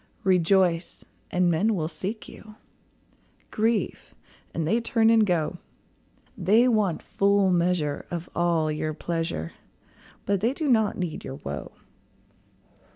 Rejoice, and men will seek you; Grieve, and they turn and go; They want full measure of all your pleasure, But they do not need your woe.